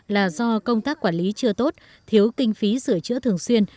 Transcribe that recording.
là do công tác quản lý chưa tốt thiếu kinh phí sửa chữa thường xuyên